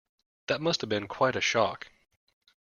That must have been quite a shock.